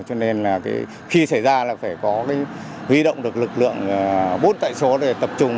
cho nên khi xảy ra phải có huy động được lực lượng bốt tại số để tập trung